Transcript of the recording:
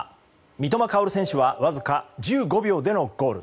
三笘薫選手はわずか１５秒でのゴール。